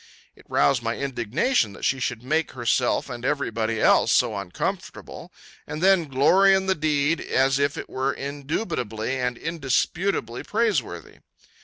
It roused my indignation that she should make herself and every body else so uncomfortable, and then glory in the deed as if it were indubitably and indisputably praiseworthy.